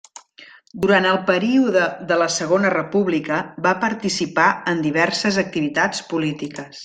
Durant el període de la Segona República va participar en diverses activitats polítiques.